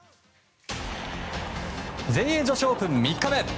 全英女子オープン３日目。